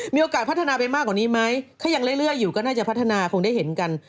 มีโอกาสพัฒนาไปมากกว่านี้ไหมถ้ายังเรื่อยอยู่ก็น่าจะพัฒนาคงได้เห็นกัน